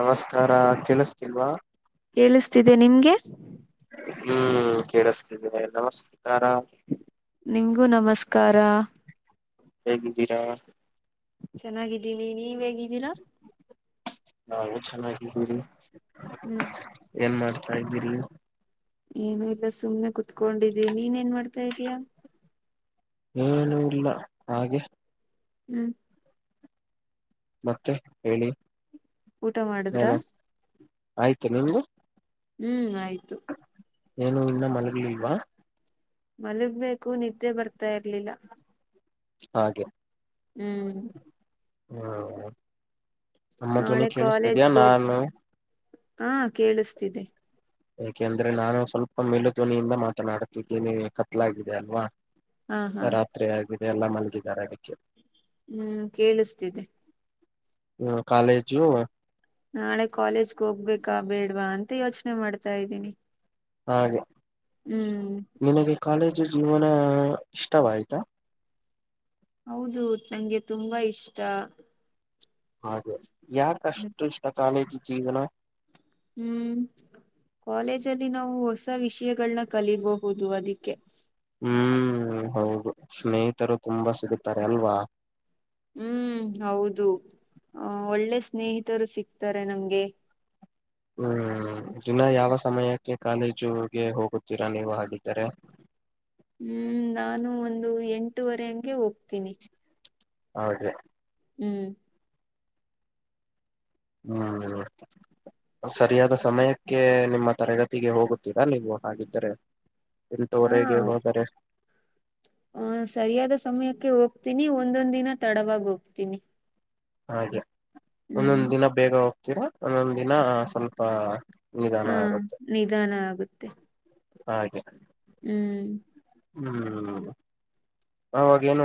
ನಮಸ್ಕಾರ ಕೇಳಿಸ್ತಿಲ್ವಾ ಕೇಳಿಸ್ತಿದೆ ನಿಮ್ಗೆ ಹ್ಮ್ ಕೇಳಿಸತೀನೆ ನಮಸ್ಕಾರ ನಿಮಗೂ ನಮಸ್ಕಾರ ಹೇಗಿದ್ದೀರಾ ಚೆನ್ನಾಗಿದ್ದೀನಿ ನೀವ್ ಹೇಗಿದ್ದೀರಾ ಹಾ ನಾವು ಚೆನ್ನಾಗಿದ್ದೀವಿ ಹ್ಮ್ ಏನ್ ಮಾಡ್ತಾ ಇದ್ದೀರಿ ಏನು ಎಲ್ಲ ಸುಮ್ಮನೆ ಕುತ್ಕೊಂಡಿದೀಿ ನೀನ್ ಏನ್ ಮಾಡ್ತಾ ಇದೀಯಾ ಏನುೂ ಇಲ್ಲ ಹಾಗೆ ಹ್ಮ್ ಮತ್ತೆ ಹೇಳಿ ಊಟ ಮಾಡಿದ್ರ ಏನು ಆಯ್ತು ನಿಮ್ದು ಹ್ಮ್ ಆಯ್ತು ಏನು ಇನ್ನ ಮಲಗಲಿಲ್ವಾ ಮಲಗ್ಬೇಕು ನಿದ್ದೆ ಬರ್ತಾ ಇರ್ಲಿಲ್ಲ ಹಾಗೆ ಹ್ಮ್ ಹ್ಮ ನಾಳೆ ಕಾಲೇಜ್ಗೆ ಹೋಗ್ ನಾನು ಹ ಕೇಳಿಸ್ತಿದೆ ಯಾಕೆಂದ್ರೆ ನಾನು ಸ್ವಲ್ಪ ಮೇಲು ಧ್ವನಿಯಿಂದ ಮಾತನಾಡ್ತಿದ್ದೀನಿ ಕತ್ಲಾಗಿದೆ ಅಲ್ವಾ ಹಾ ಹಾ ರಾತ್ರಿ ಆಗಿದೆ ಎಲ್ಲ ಮಲಗಿದ್ದಾರೆ ಅದಿಕ್ಕೆ. ಹ್ಮ್ ಕೇಳಿಸ್ತಿದೆ. ಹಾ ಕಾಲೇಜು. ನಾಳೆ ಕಾಲೇಜ್ಗೆ ಹೋಗ್ಬೇಕಾ ಬೇಡ್ವಾ ಅಂತ ಯೋಚನೆ ಮಾಡ್ತಾಯಿದ್ದೀನಿ ಹಾಗೆ ನಿನಗೆ ಕಾಲೇಜು ಜೀವನ ಇಷ್ಟವಾಯ್ತಾ. ಹೌದು ನಂಗೆ ತುಂಬಾ ಇಷ್ಟ. ಹಾಗೆ ಯಾಕಷ್ಟು ಇಷ್ಟ ಕಾಲೇಜು ಜೀವನ. ಹ್ಮ್ ಕಾಲೇಜಲ್ಲಿ ನಾವು ಹೊಸ ವಿಷಯಗಳನ್ನ ಕಲಿಬಹುದು ಅದಿಕ್ಕೆ. ಹ್ಮ್ ಹೌದು ಸ್ನೇಹಿತರು ತುಂಬಾ ಸಿಗುತಾರೆ ಅಲ್ವಾ. ಹ್ಮ್ ಹೌದು ಹ್ಮ್ ಒಳ್ಳೆ ಸ್ನೇಹಿತರು ಸಿಕ್ತಾರೆ ನಮ್ಗೆ. ಹ್ಮ್ ದಿನ ಯಾವ ಸಮಯಕ್ಕೆ ಕಾಲೇಜುಗೆ ಹೋಗುತ್ತೀರಾ ನೀವು ಹಾಗಿದರೆ. ಹ್ಮ್ ನಾನು ಒಂದು ಎಂಟವರೆ ಹಂಗೆ ಹೋಗ್ತೀನಿ. ಹೌದೆ. ಹ್ಮ್ ಹ್ಮ್. ಸರಿಯಾದ ಸಮಯಕ್ಕೆ ನಿಮ್ಮ ತರಗತಿಗೆ ಹೋಗುತ್ತೀರಾ ನೀವು ಹಾಗಿದ್ದರೆ. ಎಂಟುವರೆಗೆ ಹೋದಾರೆ. ಹ್ಮ್ ಸರಿಯಾದ ಸಮಯಕ್ಕೆ ಹೋಗ್ತೀನಿ ಒಂದೊಂದ್ ದಿನ ತಡವಾಗಿ ಹೋಗ್ತೀನಿ. ಹಾಗೆ ಒಂದೊಂದ್ ದಿನ ಬೇಗ ಹೋಗ್ತೀರಾ ಒಂದೊಂದು ದಿನ ಸ್ವಲ್ಪ. ನಿಧಾನ ಹ್ಮ್ ಆಗುತ್ತೆ ನಿಧಾನ ಆಗುತ್ತೆ ಹಾಗೆ. ಹ್ಮ್ ಹ್ಮ್ ಅವವಾಗೇನು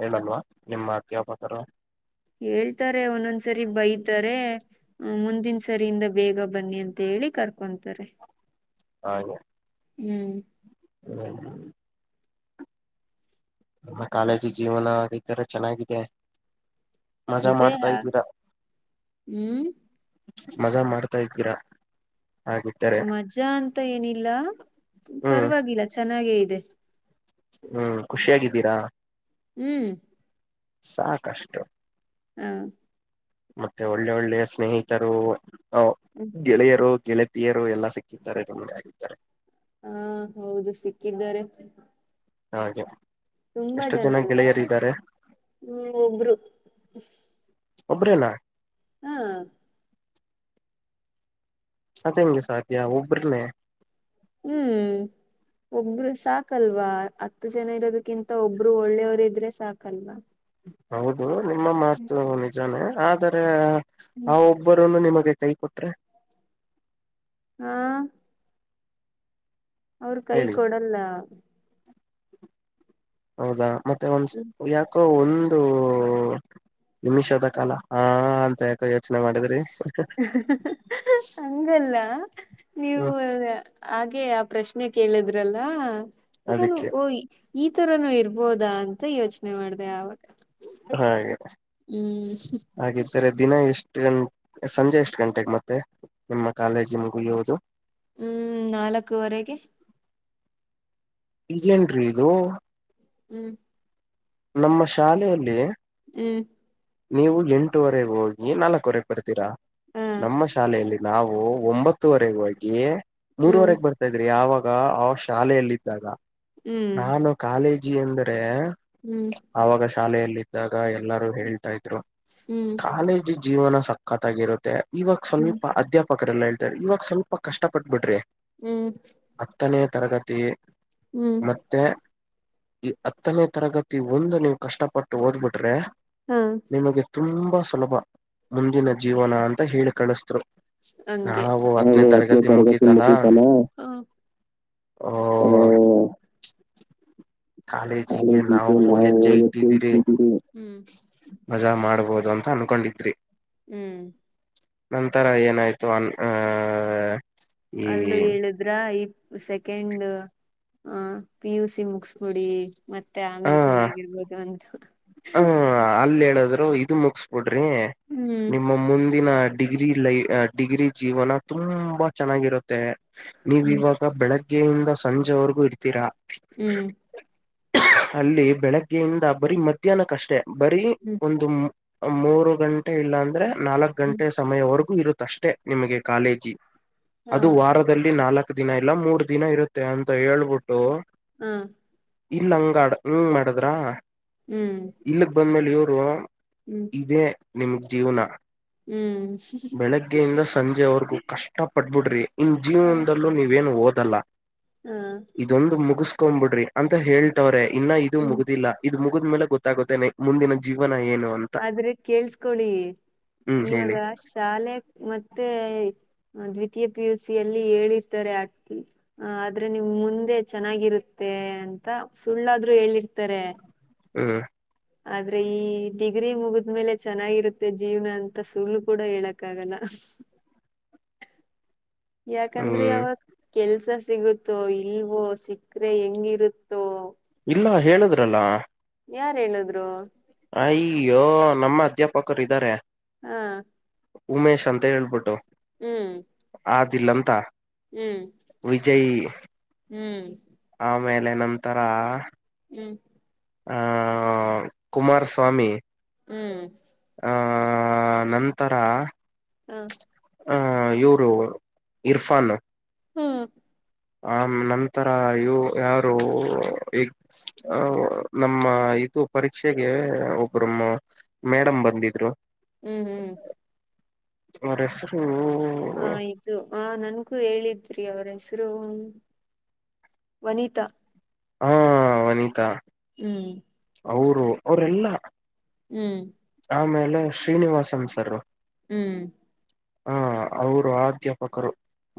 ಹೇಳಲ್ವಾ ನಿಮ್ಮ ಅಧ್ಯಾಪಕರು. ಹೇಳ್ತಾರೆ ಒಂದೊಂದ್ಸರಿ ಬೈತಾರೆ. ಹ್ಮ್ ಮುಂದಿನ ಸರಿಯಿಂದ ಬೇಗ ಬನ್ನಿ ಅಂತ ಹೇಳಿ ಕರ್ಕೊಂತಾರೆ. ಹಾಗೆ. ಹ್ಮ್. [unintelligible] ಆ ಕಾಲೇಜಿ ಜೀವನ ಇತರ ಚೆನ್ನಾಗಿದೆ. ಮಜಾ ಮಾಡ್ತಾಯಿದೀರಾ ಮಜಾ ಮಾಡ್ತಾಯಿದ್ದೀರಾ ಮಜಾ ಅಂತ ಏನಿಲ್ಲ ಹ್ಮ್ ಪರವಾಗಿಲ್ಲ ಚೆನ್ನಾಗೇಯಿದೆ.. ಹ್ಮ್ ಖುಷಿಯಾಗಿದ್ದೀರ. ಹ್ಮ್ ಸಾಕಷ್ಟು ಹಾ. ಮತ್ತೆ ಒಳ್ಳೆ ಒಳ್ಳೆಯ ಸ್ನೇಹಿತರು ಗೆಳೆಯರು ಗೆಳತಿ. ತಿಯರು ಎಲ್ಲಾ ಸಿಗ್ತಾರೆ [unintelligible] ಹಾ ಹೌದು ಸಿಕ್ಕಿದ್ದಾರೆ. ಹಾಗೆ ತುಂಬಾ ಎಷ್ಟು ಜನ ಅಲ್ಲ ಗೆಳೆಯರಿದ್ದಾರೆ ಹ್ಮ ಒಬ್ರು. ಒಬ್ಬರೆನ. ಹಾ ಅದು ಹೆಂಗೆ ಸಾಧ್ಯ ಒಬ್ಬರೇನೆ. ಹ್ಮ್ ಒಬ್ರು ಸಾಕಲ್ವಾ ಹತ್ತು ಜನ ಇರೋದಕ್ಕಿಂತ ಒಬ್ರು ಒಳ್ಳೆಯವರು ಇದ್ರೆ ಸಾಕಲ್ವಾ ಹೌದು ನಿಮ್ಮ ಮಾತು ನಿಜಾನೇ ಆದರೆ ಇಬ್ಬರನ್ನು ನಿಮಗೆ ಕೈ ಕೊಟ್ರೆ ಹಾ ಅವ್ರ ಕೈ ಹೇಳಿ ಕೊಡಲ್ಲ ಹೌದಾ ಮತ್ತೆ ಯಾಕೋ ಒಂದು ನಿಮಿಷದ ಕಾಲ ಹಾ ಅಂತ ಯಾಕ ಯೋಚನೆ ಮಾಡಿದ್ರಿ ಹಂಗಲ್ಲ ನೀವು ಹ್ಮ್ ಹಾಗೆ ಆ ಪ್ರಶ್ನೆ ಕೇಳಿದ್ರಲ್ಲ ನಾನು ಅದಕ್ಕೆ ಓಯಿ ಈ ತರನುೂ ಇರ್ಬೋದಾ ಅಂತ ಯೋಚನೆ ಮಾಡಿದೆ ಅವಾಗ ಹಾಗೆ ಹಾಗಿದ್ದರೆ ಸಂಜೆ ಎಷ್ಟು ಗಂಟೆಗೆ ಮತ್ತೆ ನಿಮ್ಮ ಕಾಲೇಜ ಮುಗಿಯೋದು ಹ್ಮ್ ನಾಲ್ಕುವರೆಗೆ ಇದೇನ್ರೀ ಇದು ಹ್ಮ್ ನಮ್ಮ ಶಾಲೆಯಲ್ಲಿ ಹ್ಮ್ ನೀವು ಎಂಟೂವರೆಗೆ ಹೋಗಿ ನಾಲ್ಕವರೆಗೆ ಬರ್ತೀರಾ ನಮ್ಮ ಶಾಲೆಯಲ್ಲಿ ನಾವು ಒಂಬತ್ತುವರೆ ಹೋಗಿ ಮೂರುವರೆಗೆ ಬರ್ತೀವಿ ಯಾವಾಗ ಅವ ಶಾಲೆಯಲ್ಲಿದ್ದಾಗ ನಾನು ಕಾಲೇಜಿ ಅಂದ್ರೆ ಹ್ಮ್ ಅವಾಗ ಶಾಲೆಯಲ್ಲಿ ಇದ್ದಾಗ ಎಲ್ಲಾರು ಹೇಳ್ತಾ ಇದ್ರು ಕಾಲೇಜ ಕಾಲೇಜ್ ಜೀವನ ಸಕ್ಕತ್ತಾಗಿರುತ್ತೆ ಇವಾಗ ಸಮೀಪ ಅಧ್ಯಾಪಕರೆಲ್ಲ ಇವಾಗ ಸ್ವಲ್ಪ ಕಷ್ಟ ಪಟ್ಟ ಬಿಡ್ರಿ ಹ್ಮ್ ಹತ್ತನೇ ತರಗತಿ ಮತ್ತು ಮತ್ತೆ ಈ ಹತ್ತನೇ ತರಗತಿ ಒಂದು ನೀವು ಕಷ್ಟಪಟ್ಟು ಓದ್ಬಿಟ್ರೆ ಹಾ ನಿಮಗೆ ತುಂಬಾ ಸುಲಭ ಮುಂದಿನ ಜೀವನ ಅಂತ ಹೇಳಿ ಕಳಿಸ್ರು ನಾವು ಹತ್ತನೇ ತರಗತಿ ಮುಗೀತ ಅಲ್ಲ ಓ ಆ ಕಾಲೇಜಿಗೆ ನಾವು ಹೆಜ್ಜೆ ಇಟ್ಟಿದ್ದೀರಿ ಮಜಾ ಮಾಡಬಹದು ಅಂತ ಅನ್ಕೊಂಡಿದ್ರಿ ಹ್ಮ್ ನಂತರ ಏನಾಯ್ತು ಈ ಅಲ್ಲೂ ಹೇಳದ್ರ ಸೆಕೆಂಡ್ ಪಿ ಯು ಸಿ ಮುಗಸ್ಬಿಡಿ ಮತ್ತೆ ಹ ಆಮೇಲ್ ಚೆನ್ನಾಗಿರ್ಬೋದು ಅಂತ ಹ ಅಲ್ಲಿ ಹೇಳದ್ರು ಇದು ಮುಗಿಸಬಿಡ್ರಿ ನಿಮ್ಮ ಮುಂದಿನ ಡಿಗ್ರಿ ಜೀವನ ತುಂಬಾ ಚೆನ್ನಾಗಿರುತ್ತೆ ನೀವು ಇವಾಗ ಬೆಳಗ್ಗೆಯಿಂದ ಸಂಜೆವರೆಗೂ ಇರ್ತೀರಾ ಹ್ಮ್ ಅಲ್ಲಿ ಬೆಳಗ್ಗೆಯಿಂದ ಬರೀ ಮಧ್ಯಾಹ್ನಕ್ಕಷ್ಟೇ ಬರೀ ಒಂದು ಮೂರು ಗಂಟೆ ಇಲ್ಲಾ ಅಂದ್ರೆ ನಾಲ್ಕ್ ಗಂಟೆ ಅಷ್ಟೇ ಸಮಯವರೆಗೂ ಇರುತ್ತಷ್ಟೆ ನಿಮಗೆ ಕಾಲೇಜಿ ಅದು ವಾರದ ದಲ್ಲಿ ನಾಲ್ಕ ದಿನ ಇಲ್ಲ ಮೂರ್ ದಿನ ಇರುತ್ತೆ ಅಂತ ಹೇಳ್ಬಿಟ್ಟು. ಹ್ಮ್ ಇಲ್ಲ ಹಂಗಡ ಹಂಗ್ ಮಾಡದ್ರ ಹ್ಮ್ ಇಲ್ಲಗ್ ಬಂದ್ಮೇಲೆ ಇವರು ಹ್ಮ್ ಇದೇ ನಿಮಗ್ ಜೀವನ ಬೆಳಗ್ಗೆಯಿಂದ ಸಂಜೆ ವರ್ಗು ಕಷ್ಟ ಪಟ್ಬಿಡ್ರಿ ಇನ್ ಜೀವನದಲ್ಲೂ ನೀವೇನು ಓದಲ್ಲ ಹ್ಮ್ ಇದೊಂದು ಮುಗಸ್ಕೊಂಡಬಿಡ್ರಿ ಅಂತ ಹೇಳ್ತವ್ರೆ ಇನ್ನ ಇದು ಮುಗುದಿಲ್ಲ ಇದು ಮುಗಿದ್ ಮೇಲೆ ಗೊತ್ತಾಗುತ್ತೆ ಮುಂದಿನ ಜೀವನ ಏನು ಅಂತ. ಆದ್ರೆ ಕೇಳ್ಸ್ಕೊಳ್ಳಿ ಹ್ಮ್ ಇವಾಗ ಹೇಳಿ ಶಾಲೆ ಮತ್ತೆ ಹ ದ್ವಿತೀಯ ಪಿ ಯು ಸಿ ಅಲ್ಲಿ ಹೇಳಿರ್ತಾರೆ ಅ ಹ ಆದ್ರೆ ನಿಮ್ ಮುಂದೆ ಚೆನ್ನಾಗಿರುತ್ತೆ ಅಂತ ಸುಳ್ಳಾದ್ರು ಹೇಳಿರ್ತಾರೆ. ಹ್ಮ ಆದ್ರೆ ಈ ಡಿಗ್ರಿ ಮುಗದ್ಮೇಲೆ ಚೆನ್ನಾಗಿರುತ್ತೆ ಜೀವನ ಅಂತ ಸುಳ್ಳು ಕೂಡ ಹೇಳಕ್ಕ ಆಗಲ್ಲ. ಯಾಕಂದ್ರೆ ಹ್ಮ್ ಅವಾಗ ಕೆಲ್ಸ ಸಿಗುತ್ತೋ ಇಲ್ವೋ ಸಿಕ್ಕರೆೆ ಹೆಂಗಿರುತ್ತೋ? ಇಲ್ಲ ಹೇಳುದ್ರಲ್ಲ. ಯಾರ ಹೇಳಿದ್ರು? ಅ ಅಯ್ಯೋ ನಮ್ಮ ಅಧ್ಯಾಪಕರು ಇದಾರೆ. ಹಾ ಉಮೇಶ್ ಅಂತ ಹೇಳ್ಬಿಟ್ಟು. ಹ್ಮ್ ಆದಿಲ್ಲಂತ ಹ್ಮ್ ವಿಜಯ್ ಹ್ಮ್ ಆಮೇಲೆ ನಂತರ. ಹ್ಮ್ ಆ ಕುಮಾರಸ್ವಾಮಿ. ಹ್ಮ್ ಆ ನಂತರ ಹಾ ಆ ಇವರು ಇರ್ಫಾನ್ ಹ್ಮ್ ಆ ನಂತರ ಇವು ಯಾರು ಈ ಅ ನಮ್ಮ ಇದು ಪರೀಕ್ಷೆಗೆ ಒಬ್ರಮ್ಮ ಮೇಡಮ್ ಬಂದಿದ್ರು. ಹ್ಮ್ ಹ್ಮ್ ಅವರ ಹೆಸರು ಹ ಇದು ಆ ನನ್ಗೂ ಹೇಳಿದ್ರಿ ಅವ್ರ ಹೆಸರು ವನಿತಾ ಹಾ ವನಿತಾ ಹ್ಮ್ ಅವರು ಅವರೆಲ್ಲಾ ಹ್ಮ್ ಆಮೇಲೆ ಶ್ರೀನಿವಾಸನ್ ಸರ್ ಹ್ಮ್ ಹ ಅವರು ಅಧ್ಯಾಪಕರು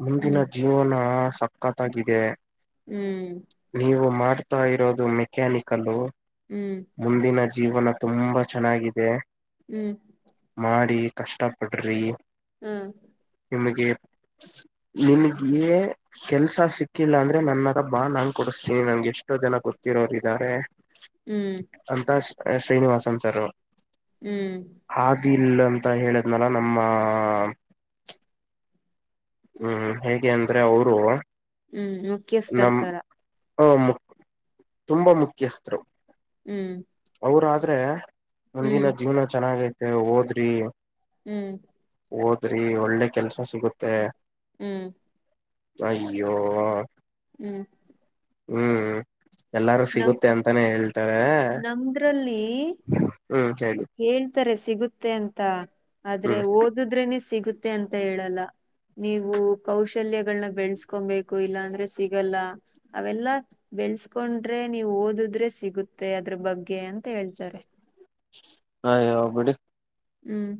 ಮುಂದಿನ ಜ ಜೀವನ ಸಕ್ಕತ್ತಾಗಿದೆ ಹ್ಮ್ ನೀವು ಮಾಡ್ತಾ ಇರೋದು ಮೆಕ್ಯಾನಿಕಲ್ಲ ಹ್ಮ್ ಮುಂದಿನ ಜೀವನ ತುಂಬಾ ಚೆನ್ನಾಗಿದೆ ಹ್ಮ್ ಮಾಡಿ ಕಷ್ಟಪಡ್ರಿ ಹ್ಮ್ ನಿಮಗೆ ನಿಿನಗೆೇ ಕೆಲ್ಸ ಸಿಕ್ಕಿಲ್ಲ ಅಂದ್ರೆ ನನ್ನ ಮರಬ್ಬಾ ನಾನ್ ಕೊಡಸ್ತೀನಿ ನಂಗೆ ಎಷ್ಟೋ ಜನ ಗೊತ್ತಿರೋರು ಇದಾರೆ ಹ್ಮ್ಮ್ ಹ್ಮ್ ಅಂತ ಶ್ರೀನಿವಾಸ ಅನ್ ಸರ್ ಹ್ಮ್ ಹಾದಿ ಇಲ್ಲ ಅಂತ ಹೇಳಿದ್ನಲ್ಲ ನಮ್ಮ ಹ್ಮ್ ಹೇಗೆ ಅಂದ್ರೆ ಅವರು ಹ್ಮ್ ಮುಖ್ಯಸ್ ತರ್ತಾರ ಹ ಮು ತುಂಬಾ ಮುಖ್ಯಸ್ಥರು ಹ್ಮ್ ಅವ್ರ ಆದ್ರೆ ಮುಂದಿನ ಜೀವನ ಚೆನ್ನಾಗೈತೆ ಓದರಿ ಹ್ಮ್ ಓದರಿ ಒಳ್ಳೆ ಕೆಲ್ಸ ಸಿಗುತ್ತೆ ಹ್ಮ್ ಅಯ್ಯೋ ಹ್ಮ್ ಹ್ಮ್ ಎಲ್ಲಾರು ಸಿಗುತ್ತೆ ಅಂತಾನೇ ಹೇಳ್ತಾರೆ ಹ್ಮ್ ಹೇಳಿ ಹೇಳ್ತಾರೆ ಸಿಗುತ್ತೆ ಅಂತ ಆದ್ರೆ ಹ್ಮ್ ಓದಿದ್ರೇನೆ ಸಿಗುತ್ತೆ ಅಂತ ಹೇಳಲ್ಲ ನೀವು ಕೌಶಲ್ಯಗಳನ್ನ ಬೆಳೆಸ್ಕೊಬೇಕು ಇಲ್ಲ ಅಂದ್ರೆ ಸಿಗಲ್ಲ ಅವೆಲ್ಲಾ ಬೆಳ್ಸ್ಕೊಂಡ ಆದ್ರೆ ನೀವು್ ಓದಿದ್ರೆ ಸಿಗುತ್ತೆ ಅದ್ರ ಬಗ್ಗೆ ಅಂತ ಹೇಳ್ತಾರೆ ಅಯ್ಯೋ ಬಿಡಿ ಹ್ಮ್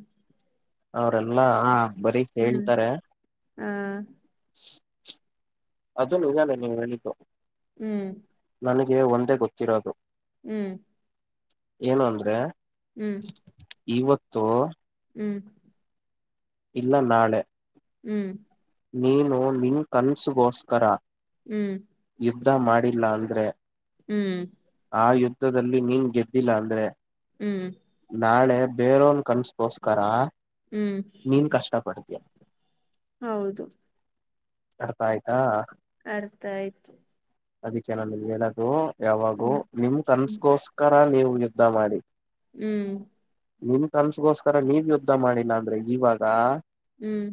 ಅವ್ರೆಲ್ಲಾ ಹಾ ಬರೀ ಹ್ಮ್ ಹೇಳ್ತಾರೆ ಹಾ ಅದು [unintelligible] ಹ್ಮ್ ನನಗೆ ಒಂದೇ ಗೊತ್ತಿರೋದು ಹ್ಮ್ ಏನು ಅಂದ್ರೆ ಹ್ಮ್ ಇವತ್ತು ಹ್ಮ್ ಇಲ್ಲ ನಾಳೆ ಹ್ಮ್ ನೀನು ನಿನ್ ಕನಸಗೋಸ್ಕರ ಹ್ಮ್ ಯುದ್ದಾ ಮಾಡಿಲ್ಲ ಅಂದ್ರೆ ಹ್ಮ್ ಆ ಯುದ್ಧದಲ್ಲಿ ನೀನ್ ಗೆದ್ದಿಲ್ಲ ಅಂದ್ರೆ ಹ್ಮ್ ನಾಳೆ ಬೇರೋನ್ ಕನ್ಸಗೋಸ್ಕರ ಹ್ಮ್ ನೀನ್ ಕಷ್ಟಾ ಪಡ್ತೀಯ ಹೌದು ಅರ್ಥ ಆಯ್ತಾ ಅರ್ಥ ಆಯ್ತು. ಅದಿಕ್ಕೆ ನಾ ನಿಮಗ ಹೇಳದು ಯಾವಾಗೂ ನಿಮ್ ಕನ್ಸಗೋಸ್ಕ ಕರ ನೀವ ಯುದ್ಧಾ ಮಾಡಿ. ಹ್ಮ್ ನಿಮ್ಮ ಕನ್ಸಗೋಸ್ಕರ ನೀವ್ ಯುದ್ಧಾ ಮಾಡಿಲ್ಲಾ ಅಂದ್ರೆ ಇವಾಗ ಹ್ಮ್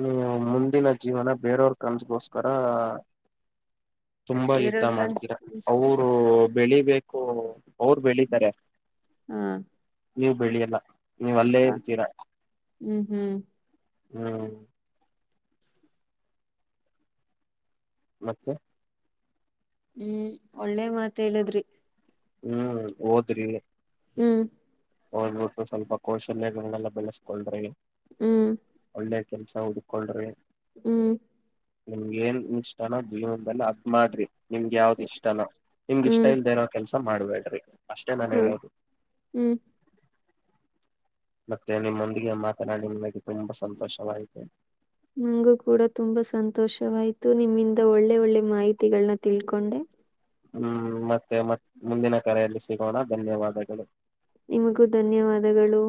ನೀವು ಮುಂದಿನ ಜೀವನ ಬೇರೆಯವ್ರ ಕನ್ಸಗೋಸ್ಕರ ತುಂಬಾ ಯುದ್ಧಾ ಮಾಡ್ತೀರಾ ಅವರು ಬೆಳಿಬೇಕು ಅವರ ಬೆಳಿತಾರೆ ನೀವ ಬೆಳಿಯಲ್ಲ. ನೀವಅಲ್ಲೇ ಇರ್ತೀರಾ ಹ್ಮ್ ಮತ್ತೆ ಹ್ಮ್ ಒಳ್ಳೆ ಮಾತ್ ಹೇಳದ್ರಿ. ಹ್ಮ್ ಓದ್ರಿ ಹ್ಮ್ ಓದ್ಬಿಟ್ಟು ಸ್ವಲ್ಪ ಕೌಶಲ್ಯಗಳನ್ನೆಲ್ಲ ಬೆಳೆಸ್ಕೊಳ್ರಿ. ಹ್ಮ್ ಒಳ್ಳೆ ಕೆಲ್ಸ ಹುಡ್ಕೊಳ್ರಿ. ಹ್ಮ್ ನಿಮಗ ಏನ್ ಇಷ್ಟಾನೋ ಜೀವನದಲ್ಲಿ ಅದ್ನ ಮಾಡ್ರಿ ನಿಮ್ಗ ಯಾವ್ದ್ ಇಷ್ಟಾನೋ ನಿಮ್ಗ ಇಷ್ಟಾ ಇಲ್ದಿರೋ ಕೆಲ್ಸ ಮಾಡ್ಬೇಡ್ರಿ. ಅಷ್ಟೇ ನಾನ ಹೇಳೋದು. ಮತ್ತೆ ನಿಮ್ಮೊಂದಿಗೆ ಮಾತನಾಡಿ ನಿಮಗೆ ತುಂಬಾ ಸಂತೋಷವಾಯಿತು. ನನಗು ಕೂಡ ತುಂಬ ಸಂತೋಷವಾಯ್ತು ನಿಮ್ಮಿಂದ ಒಳ್ಳೆ ಒಳ್ಳೆ ಮಾಹಿತಿಗಳನ್ನ ತಿಳ್ಕೊಂಡೆ. ಹ್ಮ್ ಮತ್ತೆ ಮತ್ ಮುಂದಿನ ಕರೆಯಲ್ಲಿ ಸಿಗೋಣ ಧನ್ಯವಾದಗಳು. ನಿಮಗೂ ಧನ್ಯವಾದಗಳು.